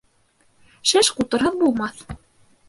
Шеш ҡутырһыҙ булмаҫ.